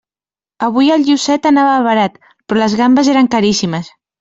Avui el llucet anava barat, però les gambes eren caríssimes.